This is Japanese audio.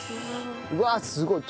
うわすごい。